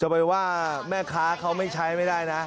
ไปว่าแม่ค้าเขาไม่ใช้ไม่ได้นะ